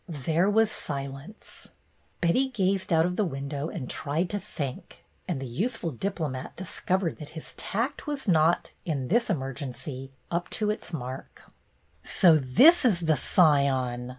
There was silence. Betty gazed out of the window and tried to think, and the youthful diplomat discovered that his tact was not, in this emergency, up to its mark. "So this is the Scion!"